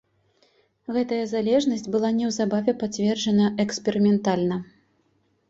Гэтая залежнасць была неўзабаве пацверджана эксперыментальна.